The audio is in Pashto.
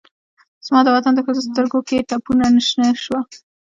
زما دوطن د ښځوسترګوکې ټپونه شنه شوه